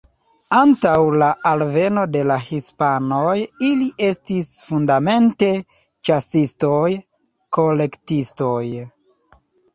Antaŭ la alveno de la hispanoj ili estis fundamente ĉasistoj-kolektistoj.